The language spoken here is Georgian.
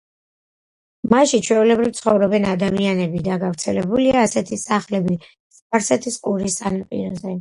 მასში, ჩვეულებრივ ცხოვრობენ ადამიანები და გავრცელებულია ასეთი სახლები სპარსეთის ყურის სანაპიროზე.